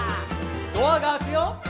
「ドアが開くよ」